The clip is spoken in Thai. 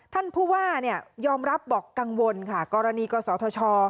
ท่านผู้ว่ายอมรับบอกกังวลค่ะกรณีกศธช